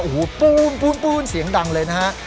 โอ้โหปูนปูนเสียงดังเลยนะฮะ